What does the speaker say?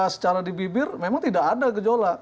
secara di bibir memang tidak ada gejolak